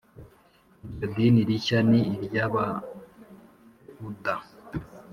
iryo dini rishya ni iry’ababuda.